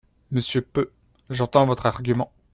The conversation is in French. Monsieur Peu, j’entends votre argument.